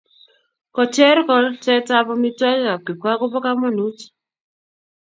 Kocher kolsetab amitwogikab kipkaa kobo komonut